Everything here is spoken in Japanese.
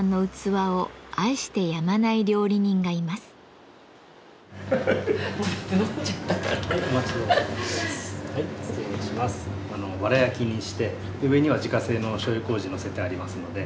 わら焼きにして上には自家製のしょうゆこうじのせてありますので。